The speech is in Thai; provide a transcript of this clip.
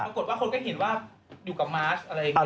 ปรากฏว่าคนก็เห็นว่าอยู่กับมาร์ชอะไรอย่างนี้